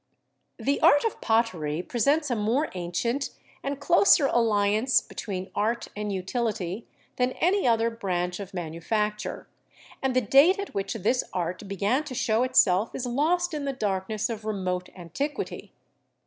The art of pottery presents a more ancient and closer alliance between art and utility than any other branch of manufacture, and the date at which this art began to show itself is lost in the darkness of remote antiquity.